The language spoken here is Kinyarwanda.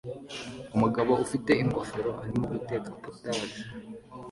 Umugabo ufite ingofero arimo guteka POTAGE